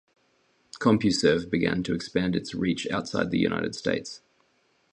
CompuServe began to expand its reach outside the United States.